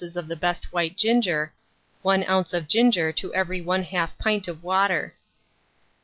of the best white ginger; 1 oz. of ginger to every 1/2 pint of water.